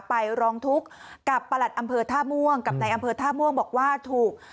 ไปร้องทุกข์กับประหลัดอำเภอท่าม่วงกับในอำเภอท่าม่วงบอกว่าถูก